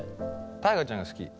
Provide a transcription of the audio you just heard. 大我ちゃんが好き。